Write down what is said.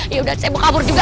yaudah saya mau kabur juga